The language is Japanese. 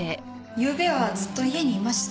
ゆうべはずっと家にいました。